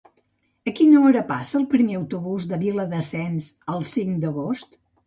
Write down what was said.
A quina hora passa el primer autobús per Viladasens el cinc d'agost?